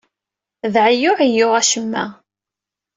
D ɛeyyu i ɛeyyuɣ acemma.